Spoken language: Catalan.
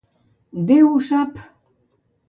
Déu ho sap!